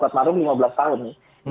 kuat maruf lima belas tahun nih